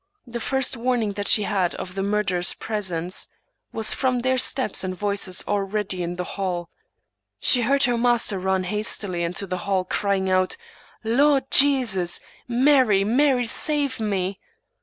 The first warning that she had of the mur derers' presence was from their steps and voices already in the hall. She heard her master run hastily into the hall, 129 English Mystery Stories •crying out, " Lord Jesus !— Mary, Mary, save me